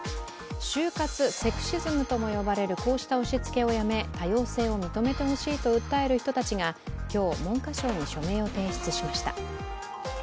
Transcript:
就活セクシズムとも呼ばれるこうした押しつけをやめ多様性を認めてほしいと訴える人たちが今日、文科省に署名を提出しました。